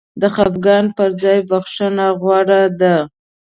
د خفګان پر ځای بخښنه غوره ده.